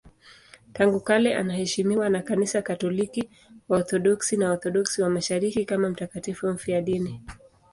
Tangu kale anaheshimiwa na Kanisa Katoliki, Waorthodoksi na Waorthodoksi wa Mashariki kama mtakatifu mfiadini.